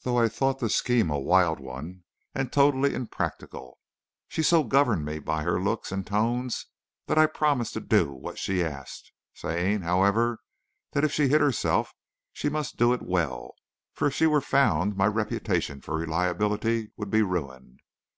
Though I thought the scheme a wild one and totally impracticable, she so governed me by her looks and tones that I promised to do what she asked, saying, however, that if she hid herself she must do it well, for if she were found my reputation for reliability would be ruined.